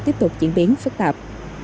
tiếp tục diễn biến phức tạp